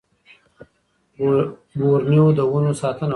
بورنېو د ونو ساتنه غواړي.